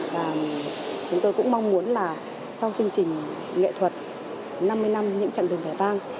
và chúng tôi cũng mong muốn là sau chương trình nghệ thuật năm mươi năm những chặng đường vẻ vang